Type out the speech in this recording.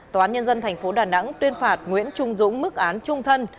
tòa án nhân dân tp đà nẵng tuyên phạt nguyễn trung dũng mức án trung thân